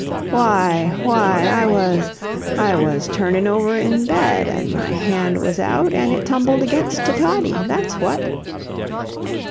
"Why why I was I was turnin' over in bed, an' my hand was out, and it tumbled against to Toddie that's what."